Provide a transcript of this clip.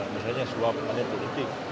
misalnya sebuah pengadilan politik